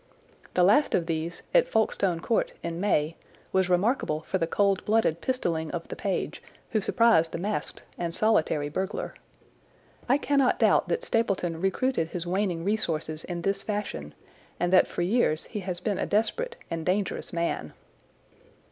The last of these, at Folkestone Court, in May, was remarkable for the cold blooded pistolling of the page, who surprised the masked and solitary burglar. I cannot doubt that Stapleton recruited his waning resources in this fashion, and that for years he has been a desperate and dangerous man.